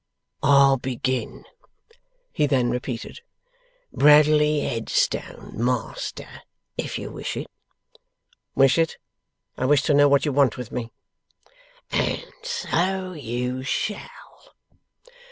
'I'll begin,' he then repeated, 'Bradley Headstone, Master, if you wish it.' 'Wish it? I wish to know what you want with me.' 'And so you shall.